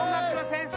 ・先生！